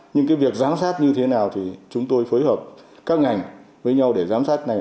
nhưng cái việc giám sát như thế nào thì chúng tôi phối hợp các ngành với nhau để giám sát này